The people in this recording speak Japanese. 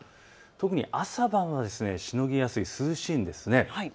特に朝晩はしのぎやすい、涼しいんです。